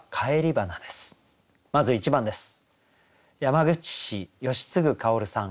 まず１番です。